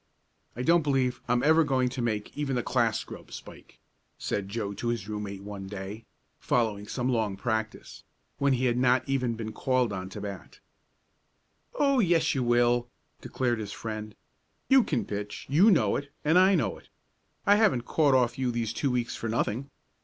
"I don't believe I'm ever going to make even the class scrub, Spike," said Joe to his room mate one day, following some long practice, when he had not even been called on to bat. "Oh, yes you will," declared his friend. "You can pitch you know it, and I know it. I haven't caught off you these two weeks for nothing.